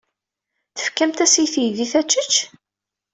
Tefkam-as i teydit ad tečč?